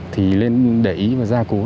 thì lên để ý và gia cố lại